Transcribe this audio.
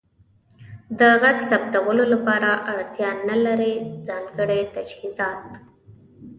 د غږ ثبتولو لپاره اړتیا نلرئ ځانګړې تجهیزات.